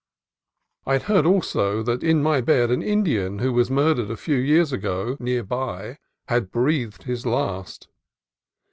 I heard also that in my bed an Indian who was mur dered a few years ago near by had breathed his last.